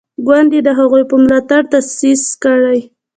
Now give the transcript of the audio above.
ګوند یې د هغوی په ملاتړ تاسیس کړی.